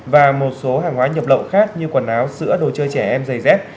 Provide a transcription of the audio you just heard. và một số hàng hóa nhập lậu khác như quần áo sữa đồ chơi trẻ em giày dép